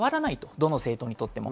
どの政党にとっても。